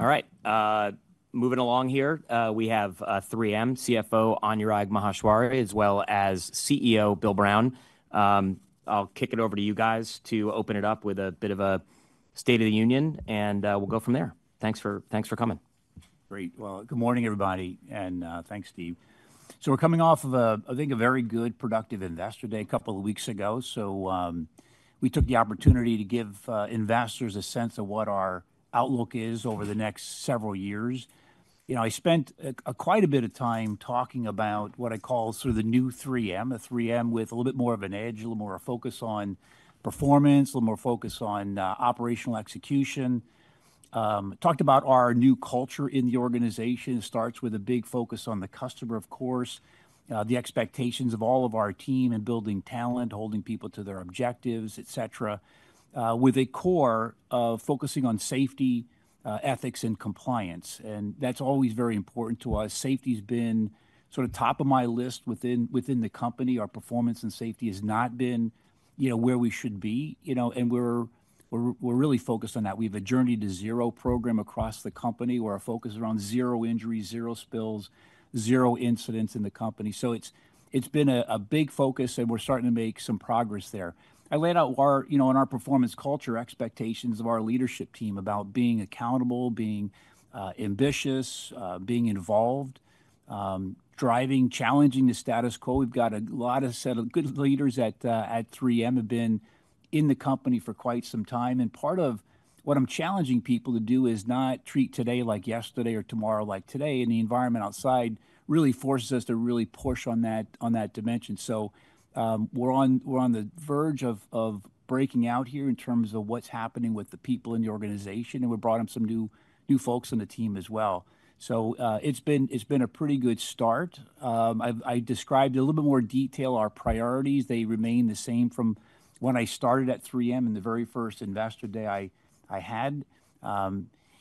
All right, moving along here, we have 3M CFO Anurag Maheshwari, as well as CEO Bill Brown. I'll kick it over to you guys to open it up with a bit of a State of the Union, and we'll go from there. Thanks for, thanks for coming. Great. Good morning, everybody, and thanks, Steve. We're coming off of, I think, a very good productive investor day a couple of weeks ago. We took the opportunity to give investors a sense of what our outlook is over the next several years. You know, I spent quite a bit of time talking about what I call sort of the new 3M, a 3M with a little bit more of an edge, a little more of a focus on performance, a little more focus on operational execution. Talked about our new culture in the organization. It starts with a big focus on the customer, of course, the expectations of all of our team and building talent, holding people to their objectives, et cetera, with a core of focusing on safety, ethics, and compliance. That's always very important to us. Safety's been sort of top of my list within the company. Our performance and safety has not been, you know, where we should be, you know, and we're really focused on that. We have a journey to zero program across the company where our focus is around zero injuries, zero spills, zero incidents in the company. It's been a big focus, and we're starting to make some progress there. I laid out our, you know, and our performance culture expectations of our leadership team about being accountable, being ambitious, being involved, driving, challenging the status quo. We've got a lot of set of good leaders at 3M who have been in the company for quite some time. Part of what I'm challenging people to do is not treat today like yesterday or tomorrow like today. The environment outside really forces us to really push on that, on that dimension. We're on the verge of breaking out here in terms of what's happening with the people in the organization, and we brought in some new folks on the team as well. It's been a pretty good start. I described in a little bit more detail our priorities. They remain the same from when I started at 3M and the very first investor day I had.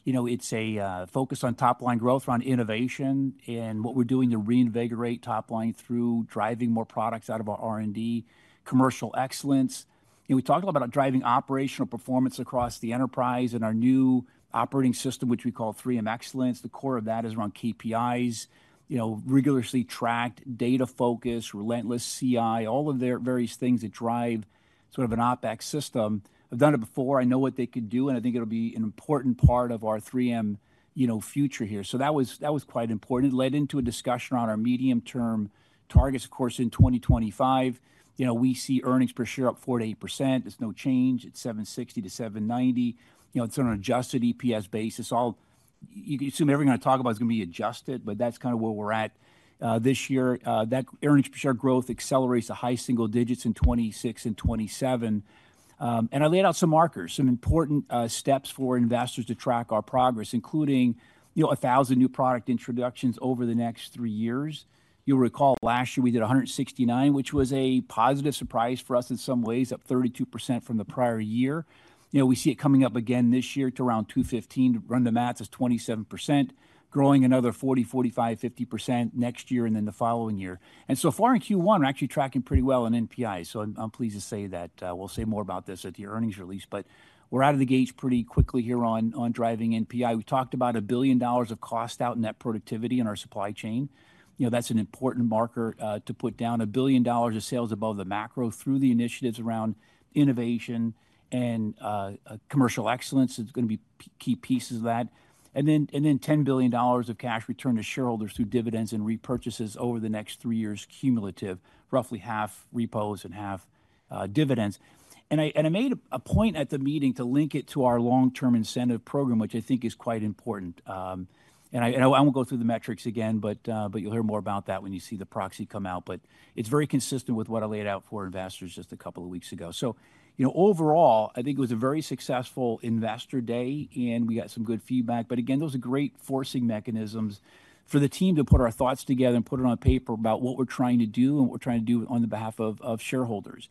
You know, it's a focus on top-line growth around innovation and what we're doing to reinvigorate top-line through driving more products out of our R&D, commercial excellence. You know, we talked a lot about driving operational performance across the enterprise and our new operating system, which we call 3M Excellence. The core of that is around KPIs, you know, rigorously tracked data focus, relentless CI, all of their various things that drive sort of an OpEx system. I've done it before. I know what they could do, and I think it'll be an important part of our 3M, you know, future here. That was, that was quite important. It led into a discussion on our medium-term targets. Of course, in 2025, you know, we see earnings per share up 4%-8%. There's no change. It's $7.60-$7.90. You know, it's on an adjusted EPS basis. All you can assume everyone's going to talk about is going to be adjusted, but that's kind of where we're at, this year. That earnings per share growth accelerates to high single digits in 2026 and 2027. I laid out some markers, some important steps for investors to track our progress, including, you know, a thousand new product introductions over the next three years. You'll recall last year we did 169, which was a positive surprise for us in some ways, up 32% from the prior year. You know, we see it coming up again this year to around 215. Run the math, it's 27%, growing another 40-45-50% next year and then the following year. And so far in Q1, we're actually tracking pretty well on NPI. I'm pleased to say that we'll say more about this at the earnings release, but we're out of the gate pretty quickly here on driving NPI. We talked about a billion dollars of cost out in that productivity in our supply chain. You know, that's an important marker, to put down a billion dollars of sales above the macro through the initiatives around innovation and commercial excellence. It's going to be key pieces of that. Then $10 billion of cash return to shareholders through dividends and repurchases over the next three years cumulative, roughly half repos and half dividends. I made a point at the meeting to link it to our long-term incentive program, which I think is quite important. I won't go through the metrics again, but you'll hear more about that when you see the proxy come out. It's very consistent with what I laid out for investors just a couple of weeks ago. You know, overall, I think it was a very successful investor day, and we got some good feedback. Again, those are great forcing mechanisms for the team to put our thoughts together and put it on paper about what we're trying to do and what we're trying to do on behalf of shareholders.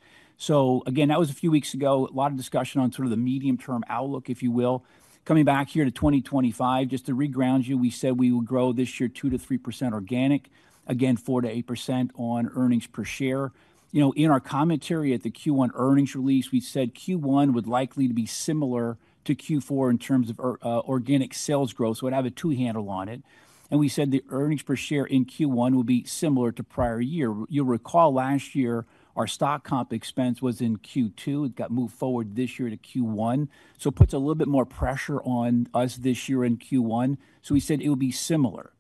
That was a few weeks ago. A lot of discussion on sort of the medium-term outlook, if you will. Coming back here to 2025, just to re-ground you, we said we would grow this year 2-3% organic, again, 4-8% on earnings per share. You know, in our commentary at the Q1 earnings release, we said Q1 would likely be similar to Q4 in terms of organic sales growth. So I'd have a two-handle on it. We said the earnings per share in Q1 would be similar to prior year. You'll recall last year our stock comp expense was in Q2. It got moved forward this year to Q1. It puts a little bit more pressure on us this year in Q1. We said it would be similar.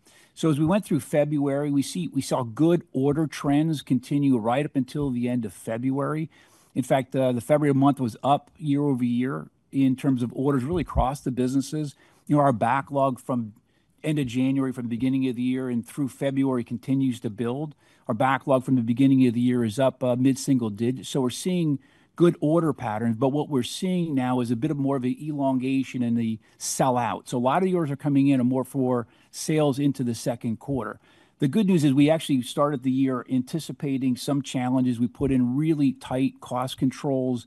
As we went through February, we see, we saw good order trends continue right up until the end of February. In fact, the February month was up year over year in terms of orders really across the businesses. You know, our backlog from end of January, from the beginning of the year and through February continues to build. Our backlog from the beginning of the year is up mid-single digits. We are seeing good order patterns, but what we are seeing now is a bit of more of an elongation in the sellout. A lot of orders are coming in and more for sales into the second quarter. The good news is we actually started the year anticipating some challenges. We put in really tight cost controls.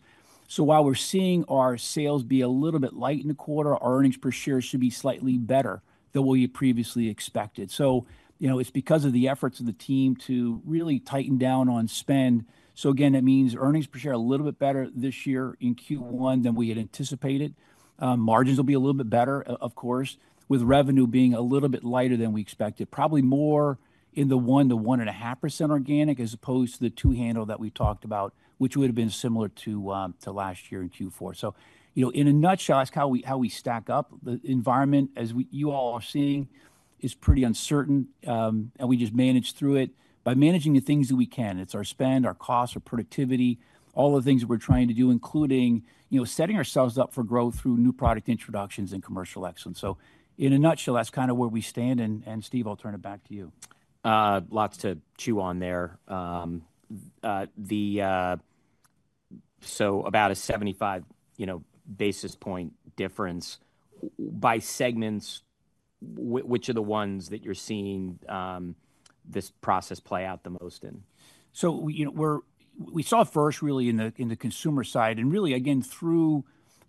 While we're seeing our sales be a little bit light in the quarter, our earnings per share should be slightly better than what we previously expected. You know, it's because of the efforts of the team to really tighten down on spend. Again, that means earnings per share a little bit better this year in Q1 than we had anticipated. Margins will be a little bit better, of course, with revenue being a little bit lighter than we expected. Probably more in the 1-1.5% organic as opposed to the two-handle that we talked about, which would have been similar to last year in Q4. You know, in a nutshell, that's how we stack up. The environment, as you all are seeing, is pretty uncertain. and we just managed through it by managing the things that we can. It's our spend, our cost, our productivity, all the things that we're trying to do, including, you know, setting ourselves up for growth through new product introductions and commercial excellence. In a nutshell, that's kind of where we stand. Steve, I'll turn it back to you. Lots to chew on there. So about a 75 basis point difference by segments, which are the ones that you're seeing this process play out the most in? You know, we saw first really in the consumer side. Really, again, through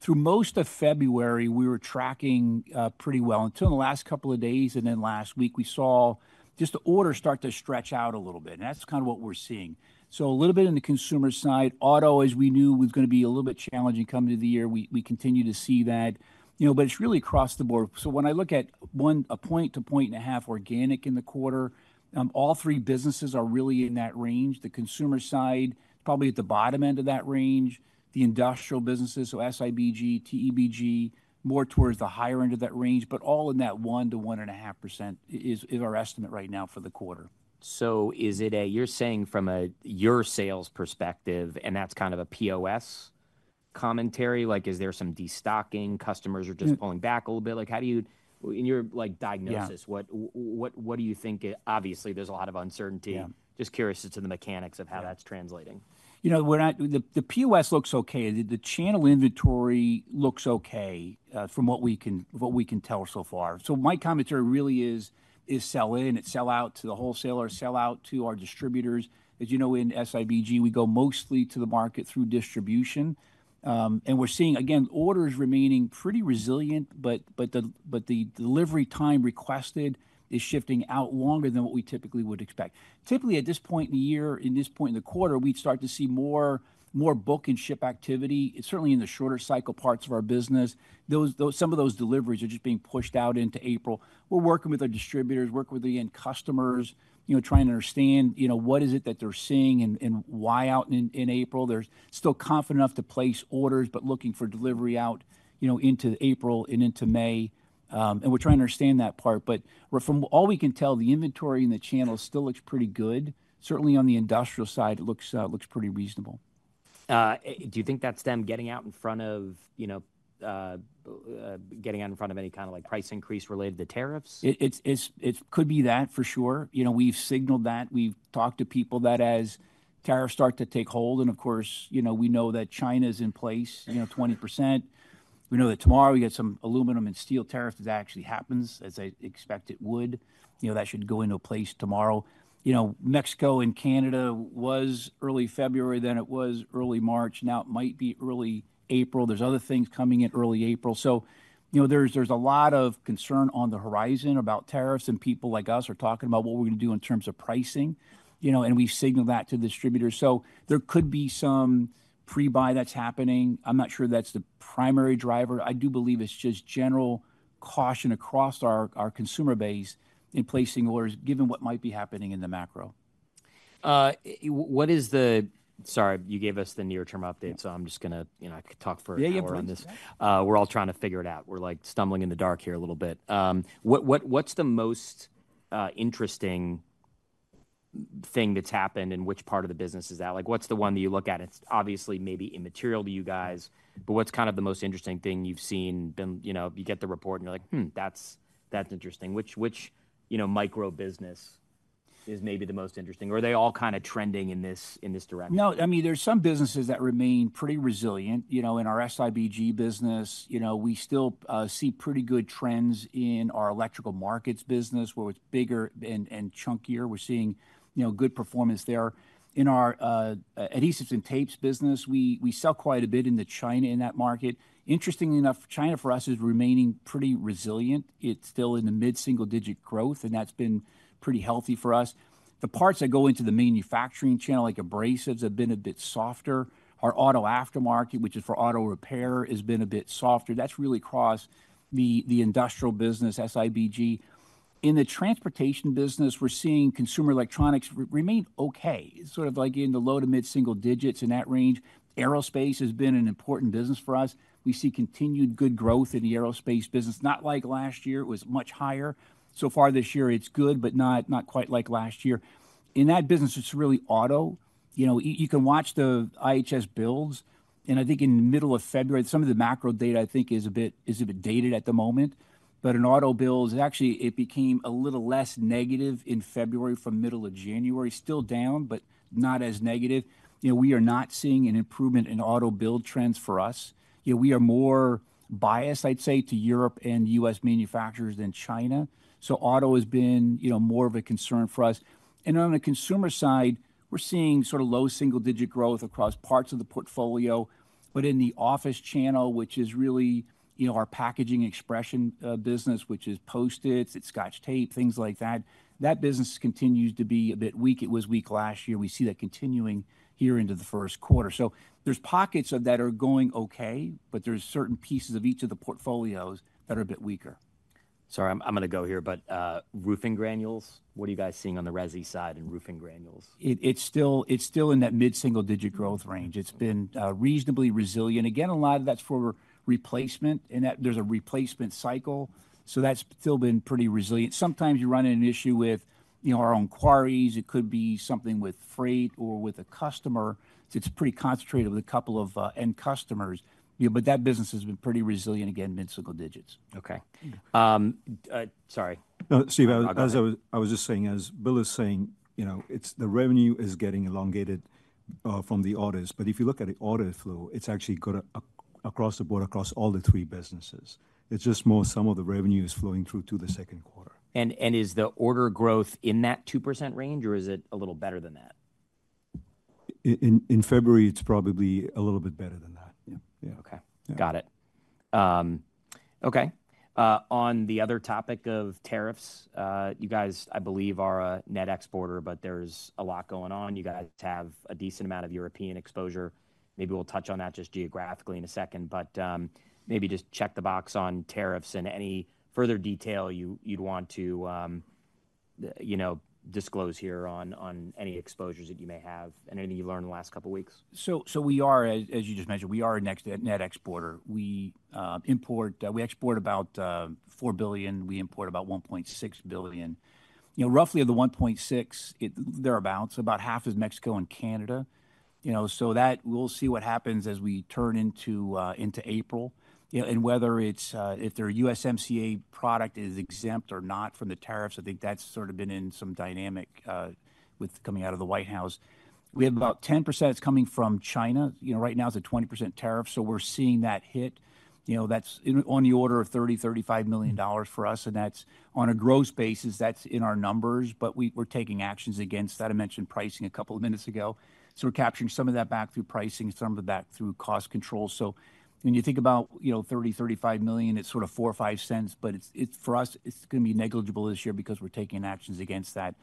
most of February, we were tracking pretty well until in the last couple of days. Last week, we saw just the orders start to stretch out a little bit. That is kind of what we are seeing. A little bit in the consumer side, auto, as we knew was going to be a little bit challenging coming to the year. We continue to see that, you know, but it is really across the board. When I look at one, a point to point and a half organic in the quarter, all three businesses are really in that range. The consumer side probably at the bottom end of that range, the industrial businesses, so SIBG, TEBG, more towards the higher end of that range, but all in that 1-1.5% is our estimate right now for the quarter. Is it a, you're saying from a, your sales perspective, and that's kind of a POS commentary, like is there some destocking? Customers are just pulling back a little bit. Like how do you, in your diagnosis, what do you think? Obviously there's a lot of uncertainty. Just curious as to the mechanics of how that's translating. You know, we're not, the POS looks okay. The channel inventory looks okay, from what we can tell so far. My commentary really is, is sell in and sell out to the wholesalers, sell out to our distributors. As you know, in SIBG, we go mostly to the market through distribution. We're seeing again, orders remaining pretty resilient, but the delivery time requested is shifting out longer than what we typically would expect. Typically at this point in the year, in this point in the quarter, we'd start to see more book and ship activity, certainly in the shorter cycle parts of our business. Some of those deliveries are just being pushed out into April. We're working with our distributors, working with the end customers, you know, trying to understand, you know, what is it that they're seeing and why out in April. They're still confident enough to place orders, but looking for delivery out, you know, into April and into May. We're trying to understand that part, but from all we can tell, the inventory and the channel still looks pretty good. Certainly on the industrial side, it looks pretty reasonable. Do you think that stem getting out in front of, you know, getting out in front of any kind of like price increase related to tariffs? It's, it's, it could be that for sure. You know, we've signaled that. We've talked to people that as tariffs start to take hold. Of course, you know, we know that China's in place, you know, 20%. We know that tomorrow we get some aluminum and steel tariffs. It actually happens as I expect it would. You know, that should go into place tomorrow. You know, Mexico and Canada was early February, then it was early March. Now it might be early April. There's other things coming in early April. You know, there's, there's a lot of concern on the horizon about tariffs and people like us are talking about what we're going to do in terms of pricing, you know, and we've signaled that to distributors. There could be some pre-buy that's happening. I'm not sure that's the primary driver. I do believe it's just general caution across our consumer base in placing orders given what might be happening in the macro. What is the, sorry, you gave us the near-term update. I'm just going to, you know, talk for a while on this. We're all trying to figure it out. We're like stumbling in the dark here a little bit. What, what's the most interesting thing that's happened and which part of the business is that? Like what's the one that you look at? It's obviously maybe immaterial to you guys, but what's kind of the most interesting thing you've seen, you know, you get the report and you're like, that's interesting. Which, you know, micro business is maybe the most interesting or are they all kind of trending in this direction? No, I mean, there's some businesses that remain pretty resilient, you know, in our SIBG business. You know, we still see pretty good trends in our electrical markets business where it's bigger and chunkier. We're seeing, you know, good performance there in our adhesives and tapes business. We sell quite a bit in China in that market. Interestingly enough, China for us is remaining pretty resilient. It's still in the mid-single digit growth, and that's been pretty healthy for us. The parts that go into the manufacturing channel, like abrasives, have been a bit softer. Our auto aftermarket, which is for auto repair, has been a bit softer. That's really across the industrial business, SIBG. In the transportation business, we're seeing consumer electronics remain okay. It's sort of like in the low to mid-single digits in that range. Aerospace has been an important business for us. We see continued good growth in the aerospace business. Not like last year. It was much higher. So far this year, it's good, but not, not quite like last year. In that business, it's really auto. You know, you can watch the IHS builds. I think in the middle of February, some of the macro data I think is a bit, is a bit dated at the moment, but in auto builds, it actually, it became a little less negative in February from middle of January, still down, but not as negative. You know, we are not seeing an improvement in auto build trends for us. You know, we are more biased, I'd say, to Europe and U.S. manufacturers than China. So auto has been, you know, more of a concern for us. On the consumer side, we're seeing sort of low single-digit growth across parts of the portfolio, but in the office channel, which is really, you know, our packaging expression business, which is Post-it, it's Scotch tape, things like that. That business continues to be a bit weak. It was weak last year. We see that continuing here into the first quarter. There are pockets of that are going okay, but there are certain pieces of each of the portfolios that are a bit weaker. Sorry, I'm going to go here, but roofing granules, what are you guys seeing on the resi side in roofing granules? It's still, it's still in that mid-single digit growth range. It's been reasonably resilient. Again, a lot of that's for replacement in that there's a replacement cycle. So that's still been pretty resilient. Sometimes you run into an issue with, you know, our own queries. It could be something with freight or with a customer. It's pretty concentrated with a couple of end customers, you know, but that business has been pretty resilient again, mid-single digits. Okay. sorry. No, Steve, as I was just saying, as Bill is saying, you know, it's the revenue is getting elongated, from the orders. If you look at the order flow, it's actually good across the board, across all the three businesses. It's just more some of the revenue is flowing through to the second quarter. Is the order growth in that 2% range or is it a little better than that? In February, it's probably a little bit better than that. Yeah. Okay. Got it. Okay. On the other topic of tariffs, you guys, I believe, are a net exporter, but there's a lot going on. You guys have a decent amount of European exposure. Maybe we'll touch on that just geographically in a second, but maybe just check the box on tariffs and any further detail you, you'd want to, you know, disclose here on any exposures that you may have and anything you've learned in the last couple of weeks. We are, as you just mentioned, we are a net exporter. We import, we export about $4 billion. We import about $1.6 billion. You know, roughly of the $1.6 billion, there are about, so about half is Mexico and Canada, you know, so that we'll see what happens as we turn into April, you know, and whether it's, if their USMCA product is exempt or not from the tariffs. I think that's sort of been in some dynamic, with coming out of the White House. We have about 10%. It's coming from China. You know, right now it's a 20% tariff. So we're seeing that hit, you know, that's on the order of $30 million-$35 million for us. And that's on a gross basis. That's in our numbers, but we, we're taking actions against that. I mentioned pricing a couple of minutes ago. We're capturing some of that back through pricing, some of that back through cost control. When you think about, you know, $30 million-$35 million, it's sort of four or five cents, but it's, it's for us, it's going to be negligible this year because we're taking actions against that.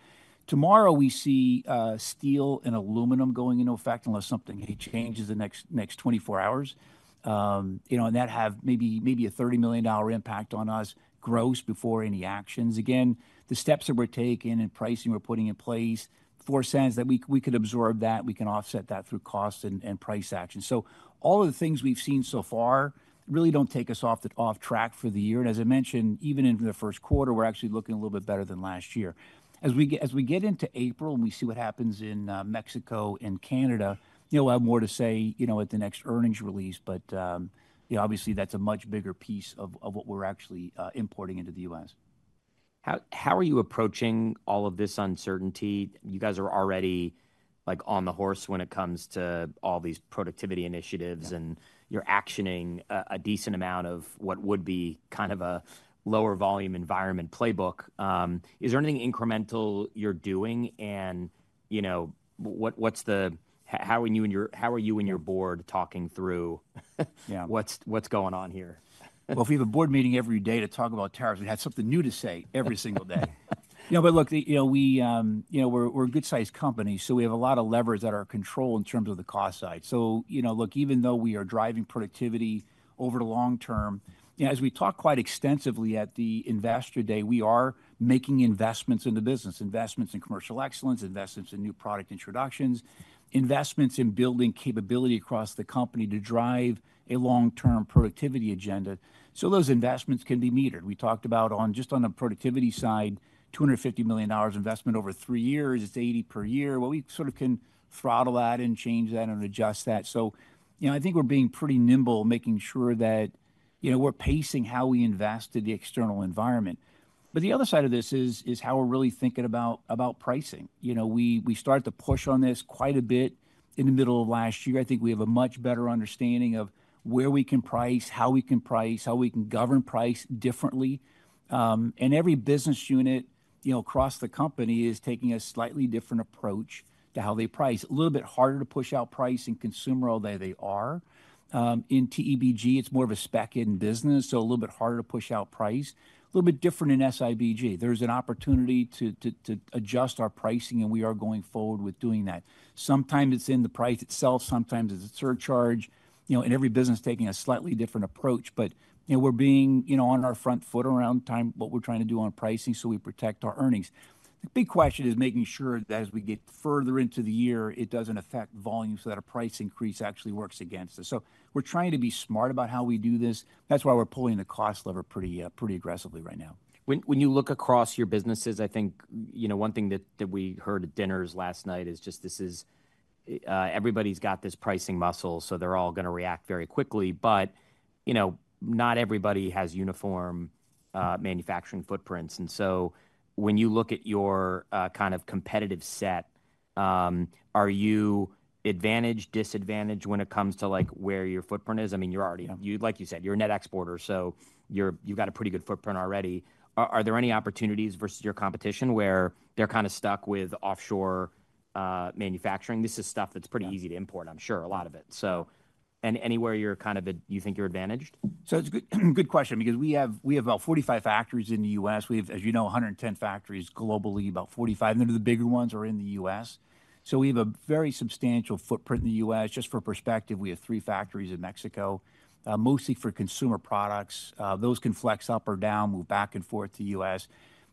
Tomorrow we see steel and aluminum going into effect unless something changes in the next 24 hours, you know, and that may have maybe a $30 million impact on us gross before any actions. Again, the steps that we're taking and pricing we're putting in place, four cents that we, we could absorb that. We can offset that through cost and price action. All of the things we've seen so far really don't take us off track for the year. As I mentioned, even in the first quarter, we're actually looking a little bit better than last year. As we get into April and we see what happens in Mexico and Canada, you know, we'll have more to say at the next earnings release, but, you know, obviously that's a much bigger piece of what we're actually importing into the U.S. How are you approaching all of this uncertainty? You guys are already like on the horse when it comes to all these productivity initiatives and you're actioning a decent amount of what would be kind of a lower volume environment playbook. Is there anything incremental you're doing? You know, what's the, how are you and your, how are you and your board talking through what's going on here? If we have a board meeting every day to talk about tariffs, we'd have something new to say every single day. You know, but look, you know, we, you know, we're a good sized company. We have a lot of levers that are controlled in terms of the cost side. You know, look, even though we are driving productivity over the long term, you know, as we talk quite extensively at the investor day, we are making investments in the business, investments in commercial excellence, investments in new product introductions, investments in building capability across the company to drive a long-term productivity agenda. Those investments can be metered. We talked about just on the productivity side, $250 million investment over three years. It's $80 million per year. We sort of can throttle that and change that and adjust that. You know, I think we're being pretty nimble making sure that, you know, we're pacing how we invest in the external environment. The other side of this is how we're really thinking about pricing. You know, we started to push on this quite a bit in the middle of last year. I think we have a much better understanding of where we can price, how we can price, how we can govern price differently. Every business unit, you know, across the company is taking a slightly different approach to how they price. A little bit harder to push out price in consumer all that they are. In TEBG, it's more of a spec in business. So a little bit harder to push out price. A little bit different in SIBG. There's an opportunity to adjust our pricing and we are going forward with doing that. Sometimes it's in the price itself. Sometimes it's a surcharge, you know, and every business is taking a slightly different approach, but you know, we're being, you know, on our front foot around time what we're trying to do on pricing so we protect our earnings. The big question is making sure that as we get further into the year, it doesn't affect volume so that a price increase actually works against us. We're trying to be smart about how we do this. That's why we're pulling the cost lever pretty, pretty aggressively right now. When you look across your businesses, I think, you know, one thing that we heard at dinners last night is just this is, everybody's got this pricing muscle, so they're all going to react very quickly, but you know, not everybody has uniform, manufacturing footprints. And so when you look at your, kind of competitive set, are you advantaged, disadvantaged when it comes to like where your footprint is? I mean, you're already, you like you said, you're a net exporter, so you're, you've got a pretty good footprint already. Are there any opportunities versus your competition where they're kind of stuck with offshore, manufacturing? This is stuff that's pretty easy to import, I'm sure a lot of it. So, and anywhere you're kind of, you think you're advantaged? It's a good, good question because we have about 45 factories in the U.S. We have, as you know, 110 factories globally, about 45, and then the bigger ones are in the U.S. We have a very substantial footprint in the U.S. Just for perspective, we have three factories in Mexico, mostly for consumer products. Those can flex up or down, move back and forth to the U.S.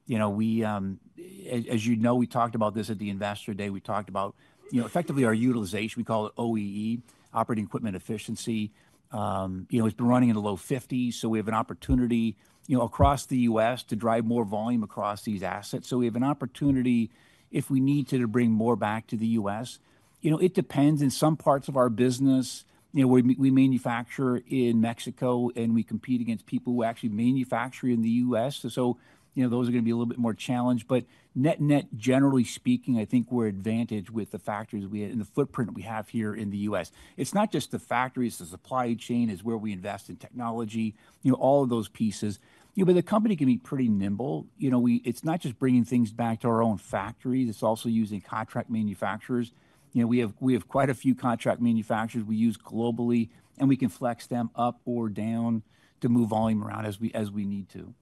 You know, we, as you know, we talked about this at the investor day. We talked about, you know, effectively our utilization, we call it OEE, operating equipment efficiency. You know, it's been running in the low 50s. We have an opportunity, you know, across the U.S. to drive more volume across these assets. We have an opportunity if we need to bring more back to the U.S. You know, it depends in some parts of our business, you know, where we manufacture in Mexico and we compete against people who actually manufacture in the U.S. Those are going to be a little bit more challenged, but net, net generally speaking, I think we're advantaged with the factories we have and the footprint we have here in the U.S. It's not just the factories, the supply chain is where we invest in technology, you know, all of those pieces, you know, but the company can be pretty nimble. You know, it's not just bringing things back to our own factories. It's also using contract manufacturers. You know, we have quite a few contract manufacturers we use globally and we can flex them up or down to move volume around as we need to.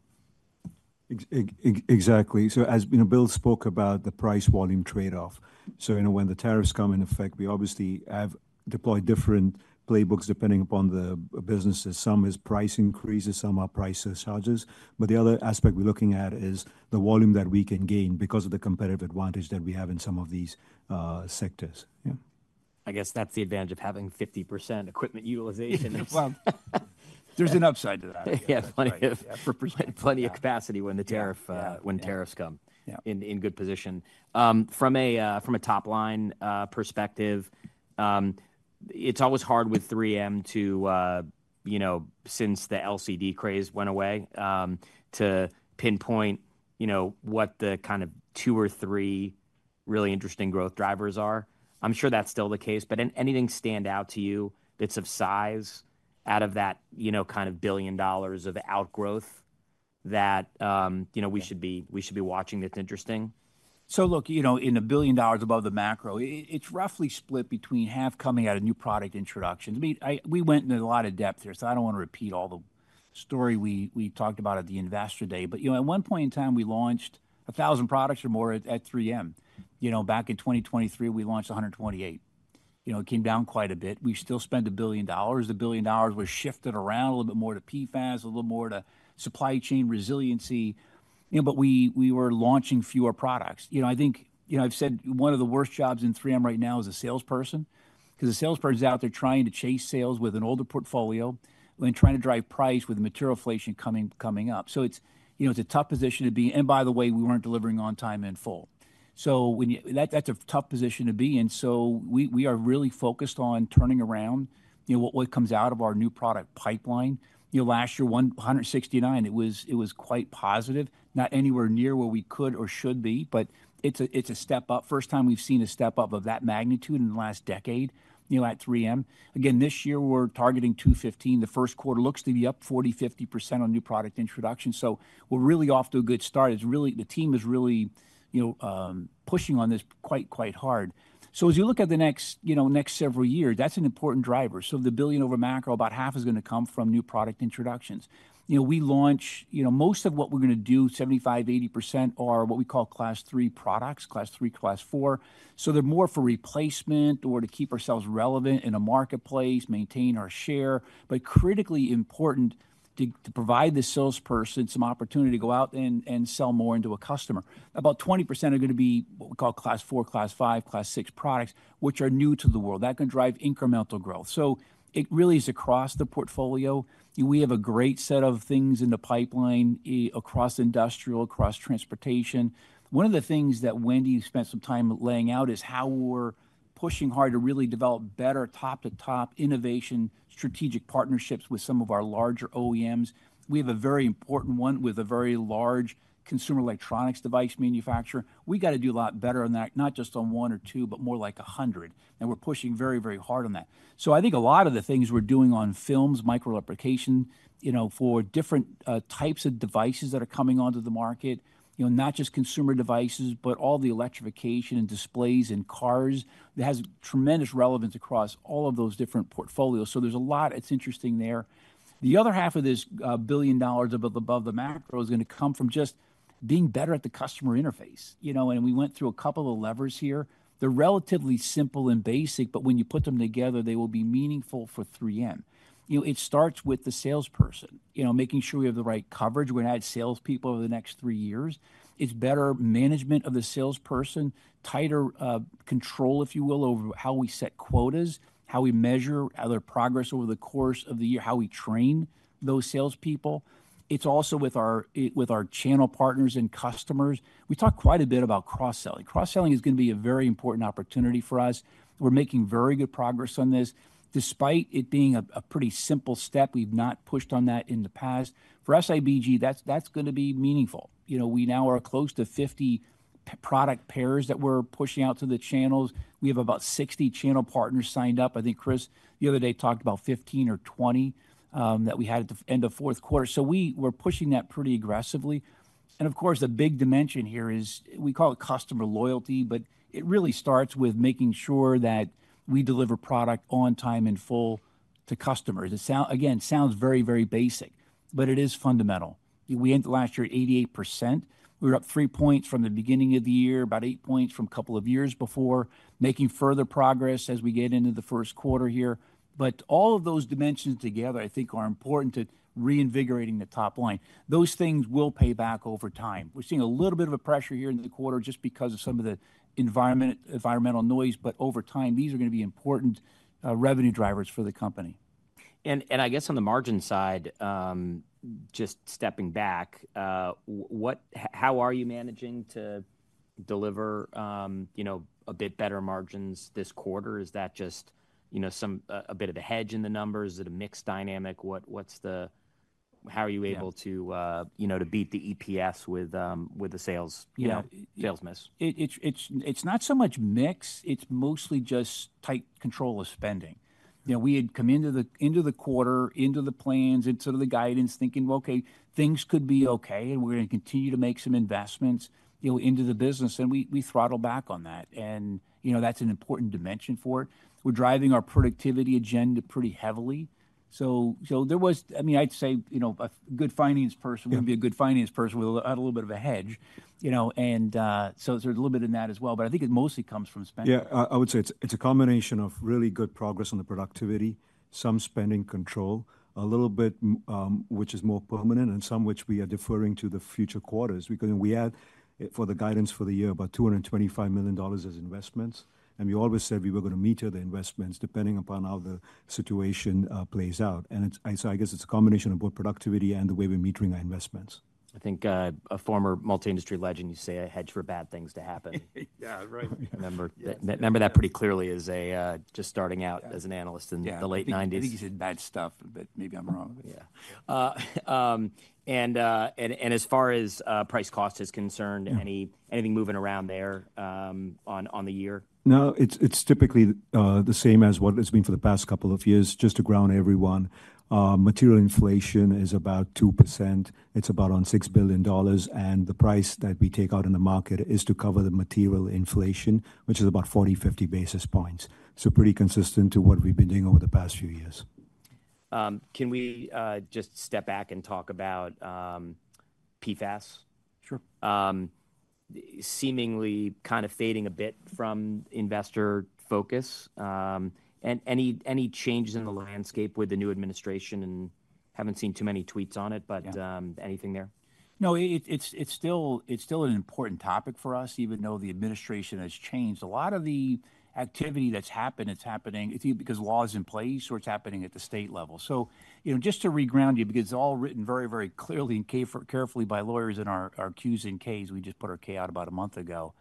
Exactly. As you know, Bill spoke about the price volume trade-off. You know, when the tariffs come in effect, we obviously have deployed different playbooks depending upon the businesses. Some is price increases, some are price surcharges, but the other aspect we're looking at is the volume that we can gain because of the competitive advantage that we have in some of these sectors. Yeah. I guess that's the advantage of having 50% equipment utilization. There's an upside to that. Yeah, plenty of, plenty of capacity when the tariff, when tariffs come in, in good position. From a, from a top line perspective, it's always hard with 3M to, you know, since the LCD craze went away, to pinpoint, you know, what the kind of two or three really interesting growth drivers are. I'm sure that's still the case, but anything stand out to you that's of size out of that, you know, kind of billion dollars of outgrowth that, you know, we should be, we should be watching that's interesting. Look, you know, in a billion dollars above the macro, it's roughly split between half coming out of new product introductions. I mean, I, we went into a lot of depth here, so I don't want to repeat all the story we talked about at the investor day, but you know, at one point in time, we launched a thousand products or more at 3M. You know, back in 2023, we launched 128. You know, it came down quite a bit. We still spent $1 billion. The $1 billion was shifted around a little bit more to PFAS, a little more to supply chain resiliency, you know, but we were launching fewer products. You know, I think, you know, I've said one of the worst jobs in 3M right now is a salesperson because the salesperson's out there trying to chase sales with an older portfolio and trying to drive price with material inflation coming, coming up. It's, you know, it's a tough position to be. By the way, we weren't delivering on time in full. When you, that, that's a tough position to be. We are really focused on turning around, you know, what, what comes out of our new product pipeline. Last year 169, it was, it was quite positive, not anywhere near where we could or should be, but it's a, it's a step up. First time we've seen a step up of that magnitude in the last decade, you know, at 3M. Again, this year we're targeting 215. The first quarter looks to be up 40-50% on new product introduction. So we're really off to a good start. It's really, the team is really, you know, pushing on this quite, quite hard. As you look at the next, you know, next several years, that's an important driver. The billion over macro, about half is going to come from new product introductions. You know, we launch, you know, most of what we're going to do, 75-80% are what we call class three products, class three, class four. They're more for replacement or to keep ourselves relevant in a marketplace, maintain our share, but critically important to, to provide the salesperson some opportunity to go out and, and sell more into a customer. About 20% are going to be what we call class four, class five, class six products, which are new to the world that can drive incremental growth. It really is across the portfolio. We have a great set of things in the pipeline across industrial, across transportation. One of the things that Wendy spent some time laying out is how we're pushing hard to really develop better top-to-top innovation strategic partnerships with some of our larger OEMs. We have a very important one with a very large consumer electronics device manufacturer. We got to do a lot better on that, not just on one or two, but more like a hundred. We're pushing very, very hard on that. I think a lot of the things we're doing on films, micro lubrication, you know, for different types of devices that are coming onto the market, you know, not just consumer devices, but all the electrification and displays and cars, that has tremendous relevance across all of those different portfolios. There is a lot, it's interesting there. The other half of this billion dollars above the macro is going to come from just being better at the customer interface, you know, and we went through a couple of levers here. They're relatively simple and basic, but when you put them together, they will be meaningful for 3M. You know, it starts with the salesperson, you know, making sure we have the right coverage. We're going to add salespeople over the next three years. It's better management of the salesperson, tighter control, if you will, over how we set quotas, how we measure other progress over the course of the year, how we train those salespeople. It's also with our channel partners and customers. We talk quite a bit about cross-selling. Cross-selling is going to be a very important opportunity for us. We're making very good progress on this. Despite it being a pretty simple step, we've not pushed on that in the past. For SIBG, that's going to be meaningful. You know, we now are close to 50 product pairs that we're pushing out to the channels. We have about 60 channel partners signed up. I think Chris the other day talked about 15 or 20 that we had at the end of fourth quarter. We were pushing that pretty aggressively. The big dimension here is we call it customer loyalty, but it really starts with making sure that we deliver product on time and full to customers. It sounds, again, very, very basic, but it is fundamental. We ended last year at 88%. We were up three points from the beginning of the year, about eight points from a couple of years before, making further progress as we get into the first quarter here. All of those dimensions together, I think are important to reinvigorating the top line. Those things will pay back over time. We're seeing a little bit of a pressure here in the quarter just because of some of the environment, environmental noise, but over time, these are going to be important, revenue drivers for the company. I guess on the margin side, just stepping back, how are you managing to deliver, you know, a bit better margins this quarter? Is that just, you know, some, a bit of a hedge in the numbers? Is it a mixed dynamic? What, what's the, how are you able to, you know, to beat the EPS with, with the sales, you know, sales miss? It's not so much mix. It's mostly just tight control of spending. You know, we had come into the quarter, into the plans, into the guidance thinking, okay, things could be okay and we're going to continue to make some investments, you know, into the business and we throttle back on that. You know, that's an important dimension for it. We're driving our productivity agenda pretty heavily. I mean, I'd say, you know, a good finance person would be a good finance person with a little bit of a hedge, you know, and, so there's a little bit in that as well, but I think it mostly comes from spending. Yeah, I would say it's a combination of really good progress on the productivity, some spending control, a little bit, which is more permanent and some which we are deferring to the future quarters because we had for the guidance for the year, about $225 million as investments. We always said we were going to meter the investments depending upon how the situation plays out. It's a combination of both productivity and the way we're metering our investments. I think, a former multi-industry legend, you say a hedge for bad things to happen. Yeah, right. Remember that, remember that pretty clearly as a, just starting out as an analyst in the late 1990s. I think he said bad stuff, but maybe I'm wrong. Yeah, and as far as price cost is concerned, anything moving around there on the year? No, it's typically the same as what it's been for the past couple of years. Just to ground everyone, material inflation is about 2%. It's about on $6 billion. And the price that we take out in the market is to cover the material inflation, which is about 40-50 basis points. So pretty consistent to what we've been doing over the past few years. Can we just step back and talk about PFAS? Sure. Seemingly kind of fading a bit from investor focus. Any changes in the landscape with the new administration? I have not seen too many tweets on it, but anything there? No, it's still, it's still an important topic for us, even though the administration has changed. A lot of the activity that's happened, it's happening because law is in place or it's happening at the state level. You know, just to reground you, because it's all written very, very clearly and carefully by lawyers in our Qs and Ks. We just put our K out about a month ago.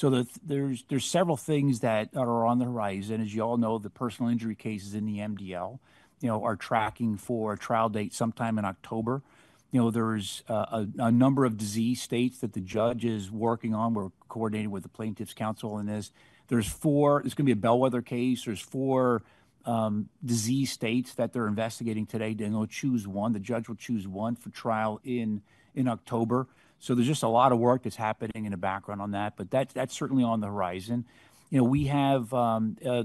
There's several things that are on the horizon. As you all know, the personal injury cases in the MDL, you know, are tracking for a trial date sometime in October. You know, there's a number of disease states that the judge is working on. We're coordinating with the plaintiff's counsel on this. There's four, there's going to be a bellwether case. There's four disease states that they're investigating today. They'll choose one. The judge will choose one for trial in October. There is just a lot of work that is happening in the background on that, but that is certainly on the horizon. You know, we have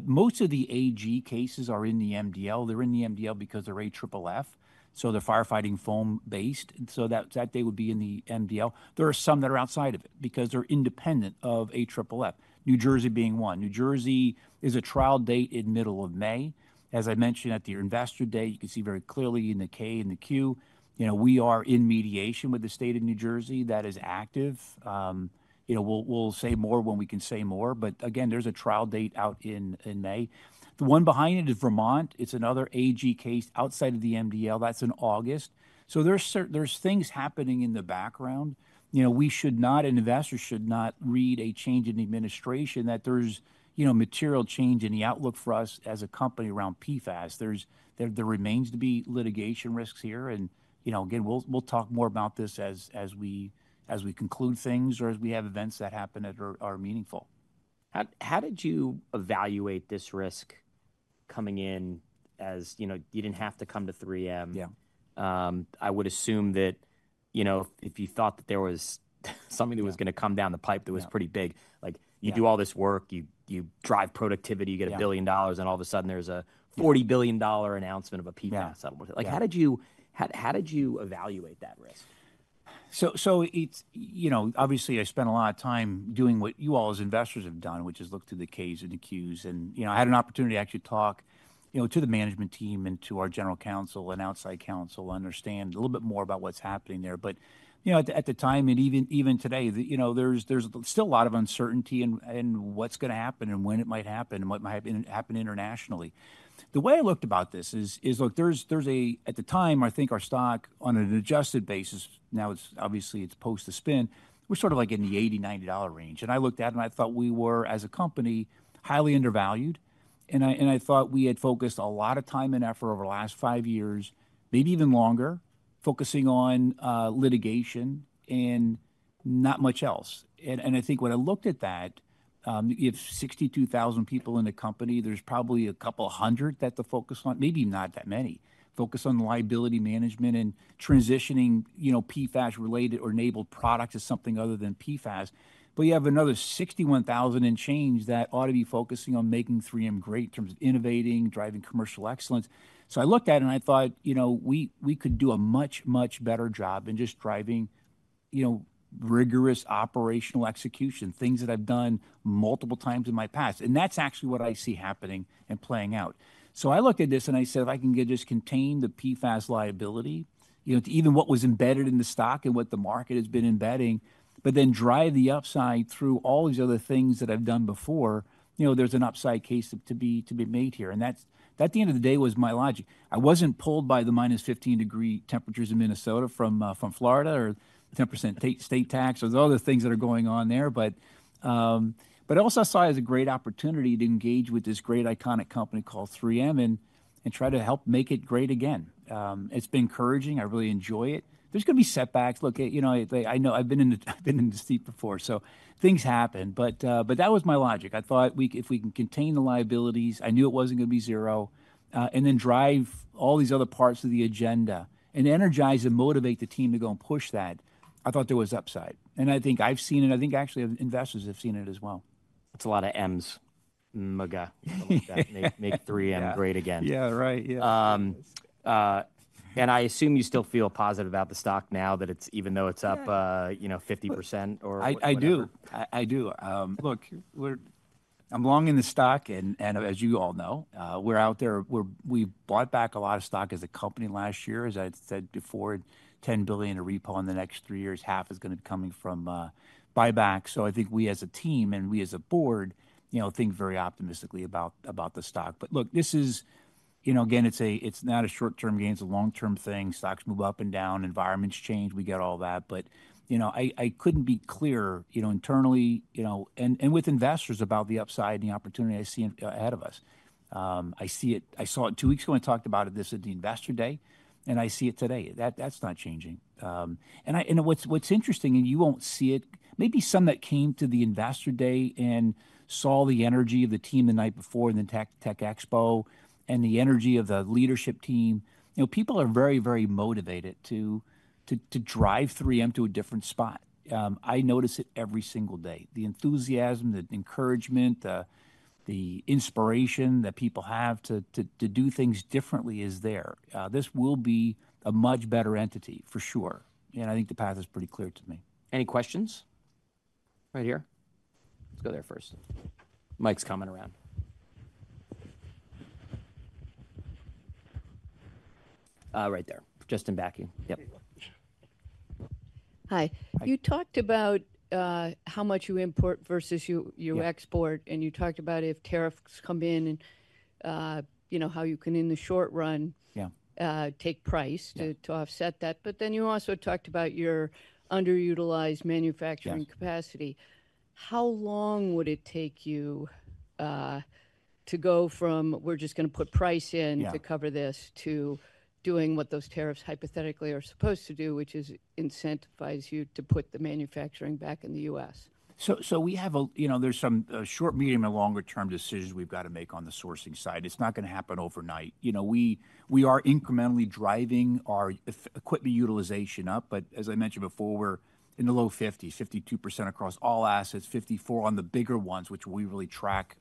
most of the AG cases in the MDL. They are in the MDL because they are AFFF, so they are firefighting foam based. That day would be in the MDL. There are some that are outside of it because they are independent of AFFF, New Jersey being one. New Jersey has a trial date in the middle of May. As I mentioned at the investor day, you can see very clearly in the K and the Q, you know, we are in mediation with the state of New Jersey that is active. You know, we will say more when we can say more, but again, there is a trial date out in May. The one behind it is Vermont. It's another AG case outside of the MDL. That's in August. There are things happening in the background. You know, we should not, and investors should not read a change in the administration that there's, you know, material change in the outlook for us as a company around PFAS. There remains to be litigation risks here. You know, again, we'll talk more about this as we conclude things or as we have events that happen that are meaningful. How did you evaluate this risk coming in as, you know, you didn't have to come to 3M? Yeah. I would assume that, you know, if you thought that there was something that was going to come down the pipe that was pretty big, like you do all this work, you drive productivity, you get a billion dollars, and all of a sudden there's a $40 billion announcement of a PFAS settlement. Like, how did you, how did you evaluate that risk? It's, you know, obviously I spent a lot of time doing what you all as investors have done, which is look to the Ks and the Qs. And, you know, I had an opportunity to actually talk, you know, to the management team and to our General Counsel and outside counsel to understand a little bit more about what's happening there. At the time, and even today, you know, there's still a lot of uncertainty and what's going to happen and when it might happen and what might happen internationally. The way I looked about this is, look, there's a, at the time, I think our stock on an adjusted basis, now it's obviously post the spin, we're sort of like in the $80-$90 range. I looked at it and I thought we were as a company highly undervalued. I thought we had focused a lot of time and effort over the last five years, maybe even longer, focusing on litigation and not much else. I think when I looked at that, you have 62,000 people in the company. There's probably a couple hundred that focus on, maybe not that many, focus on liability management and transitioning, you know, PFAS related or enabled products to something other than PFAS. You have another 61,000 and change that ought to be focusing on making 3M great in terms of innovating, driving commercial excellence. I looked at it and I thought, you know, we could do a much, much better job in just driving, you know, rigorous operational execution, things that I've done multiple times in my past. That's actually what I see happening and playing out. I looked at this and I said, if I can just contain the PFAS liability, you know, to even what was embedded in the stock and what the market has been embedding, but then drive the upside through all these other things that I've done before, you know, there's an upside case to be made here. That at the end of the day was my logic. I wasn't pulled by the minus 15 degree temperatures in Minnesota from Florida or 10% state tax or the other things that are going on there. I also saw it as a great opportunity to engage with this great iconic company called 3M and try to help make it great again. It's been encouraging. I really enjoy it. There's going to be setbacks. Look, you know, I know I've been in the seat before. Things happen, but that was my logic. I thought we could, if we can contain the liabilities, I knew it wasn't going to be zero, and then drive all these other parts of the agenda and energize and motivate the team to go and push that. I thought there was upside. I think I've seen it. I think actually investors have seen it as well. It's a lot of M's, MAGA. Make 3M great again. Yeah, right. Yeah. and I assume you still feel positive about the stock now that it's, even though it's up, you know, 50% or. I do. I do. Look, I'm longing the stock and as you all know, we're out there, we bought back a lot of stock as a company last year, as I said before, $10 billion to repo in the next three years, half is going to be coming from buyback. I think we as a team and we as a board think very optimistically about the stock. This is not a short-term gain, it's a long-term thing. Stocks move up and down, environments change, we get all that. I couldn't be clearer internally and with investors about the upside and the opportunity I see ahead of us. I see it, I saw it two weeks ago and talked about it, this is the investor day and I see it today. That, that's not changing. I, and what's interesting and you won't see it, maybe some that came to the investor day and saw the energy of the team the night before and the Tech Tech Expo and the energy of the leadership team. You know, people are very, very motivated to drive 3M to a different spot. I notice it every single day. The enthusiasm, the encouragement, the inspiration that people have to do things differently is there. This will be a much better entity for sure. I think the path is pretty clear to me. Any questions? Right here. Let's go there first. Mic's coming around. Right there. Just in back. Yep. Hi. You talked about how much you import versus you export, and you talked about if tariffs come in and, you know, how you can in the short run. Yeah. take price to, to offset that. Then you also talked about your underutilized manufacturing capacity. How long would it take you, to go from we're just going to put price in to cover this to doing what those tariffs hypothetically are supposed to do, which is incentivize you to put the manufacturing back in the U.S.? We have a, you know, there's some short, medium, and longer-term decisions we've got to make on the sourcing side. It's not going to happen overnight. You know, we are incrementally driving our equipment utilization up, but as I mentioned before, we're in the low 50s, 52% across all assets, 54% on the bigger ones, which we really track,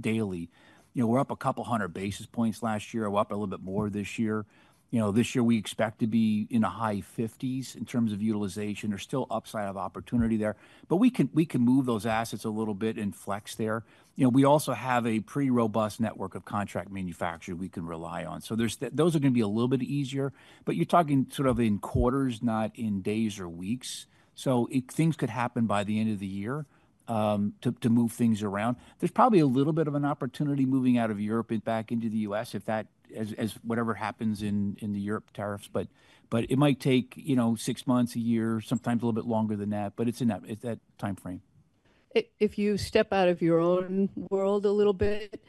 daily. You know, we're up a couple hundred basis points last year. We're up a little bit more this year. You know, this year we expect to be in the high 50s in terms of utilization. There's still upside of opportunity there, but we can, we can move those assets a little bit and flex there. You know, we also have a pretty robust network of contract manufacturers we can rely on. There are going to be a little bit easier, but you're talking sort of in quarters, not in days or weeks. Things could happen by the end of the year to move things around. There's probably a little bit of an opportunity moving out of Europe and back into the U.S. if that, as whatever happens in the Europe tariffs. It might take, you know, six months, a year, sometimes a little bit longer than that, but it's in that timeframe. If you step out of your own world a little bit,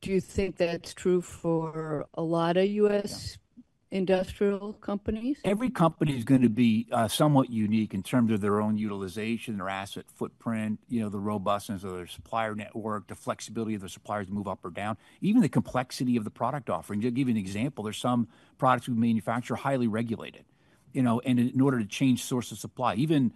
do you think that's true for a lot of U.S. industrial companies? Every company is going to be somewhat unique in terms of their own utilization, their asset footprint, you know, the robustness of their supplier network, the flexibility of the suppliers to move up or down, even the complexity of the product offering. I'll give you an example. There are some products we manufacture that are highly regulated, you know, and in order to change source of supply, even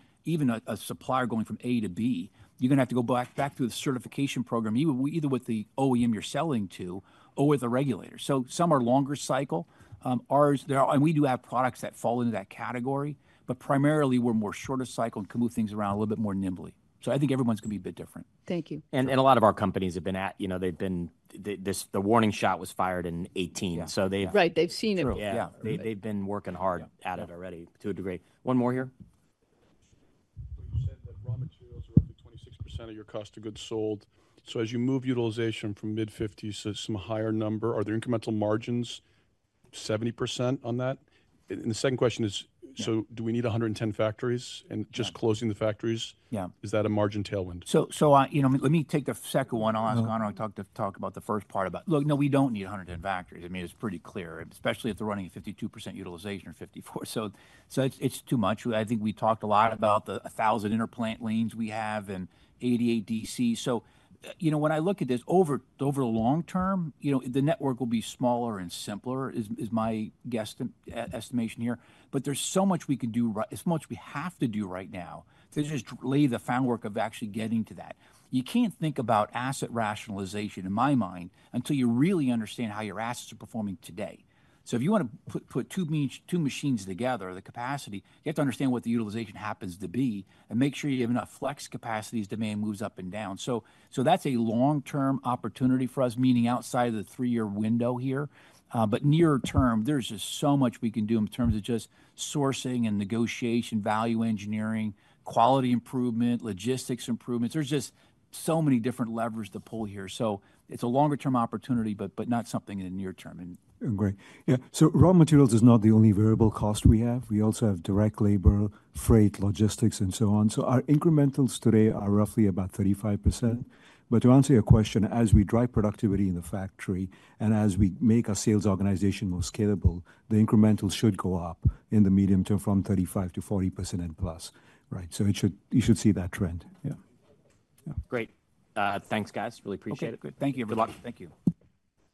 a supplier going from A to B, you're going to have to go back through the certification program, either with the OEM you're selling to or with a regulator. Some are longer cycle. Ours, there are, and we do have products that fall into that category, but primarily we're more short of cycle and can move things around a little bit more nimbly. I think everyone's going to be a bit different. Thank you. A lot of our companies have been at, you know, they've been, this, the warning shot was fired in 2018. So they've. Right. They've seen it. Yeah. They've been working hard at it already to a degree. One more here. You said that raw materials are roughly 26% of your cost of goods sold. As you move utilization from mid 50s to some higher number, are there incremental margins? 70% on that. The second question is, do we need 110 factories and just closing the factories? Yeah. Is that a margin tailwind? I, you know, let me take the second one. I'll ask Anurag and talk about the first part about, look, no, we don't need 110 factories. I mean, it's pretty clear, especially if they're running 52% utilization or 54%. It's too much. I think we talked a lot about the 1,000 interplant lanes we have and 88 DC. You know, when I look at this over the long term, the network will be smaller and simpler is my guesstimation here. But there's so much we can do, as much we have to do right now to just lay the found work of actually getting to that. You can't think about asset rationalization in my mind until you really understand how your assets are performing today. If you want to put two machines together, the capacity, you have to understand what the utilization happens to be and make sure you have enough flex capacity as demand moves up and down. That is a long-term opportunity for us, meaning outside of the three-year window here. Near term, there is just so much we can do in terms of just sourcing and negotiation, value engineering, quality improvement, logistics improvements. There are just so many different levers to pull here. It is a longer-term opportunity, but not something in the near term. Great. Yeah. Raw materials is not the only variable cost we have. We also have direct labor, freight, logistics, and so on. Our incrementals today are roughly about 35%. To answer your question, as we drive productivity in the factory and as we make our sales organization more scalable, the incrementals should go up in the medium term from 35%-40% and plus. Right. You should see that trend. Yeah. Great. Thanks guys. Really appreciate it. Thank you. Thank you.